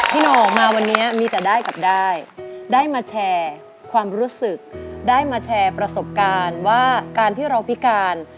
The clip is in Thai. โหน่งมาวันนี้มีแต่ได้กับได้ได้มาแชร์ความรู้สึกได้มาแชร์ประสบการณ์ว่าการที่เราพิการ